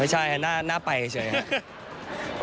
ไม่ใช่น่าไปกันเฉยครับ